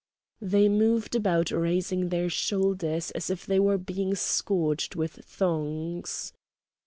They moved about raising their shoulders as if they were being scourged with thongs.